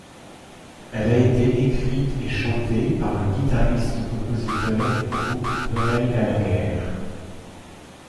Elle a été écrite et chantée par le guitariste-compositeur du groupe Noel Gallagher.